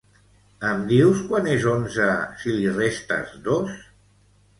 Em dius quant és onze si li restes dos?